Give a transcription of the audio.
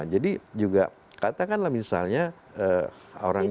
jadi juga katakanlah misalnya orang yang